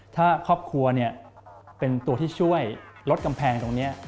ถ้าครอบครัวเป็นตัวที่ช่วยลดกำแพงตรงนี้